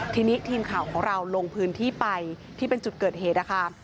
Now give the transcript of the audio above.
ทีนี้ทีมข่าวของเราลงพื้นที่ไปที่เป็นจุดเกิดเหตุนะคะ